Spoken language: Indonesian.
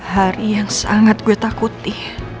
hari yang sangat gue takuti